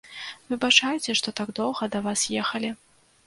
Выбачайце, што так доўга да вас ехалі!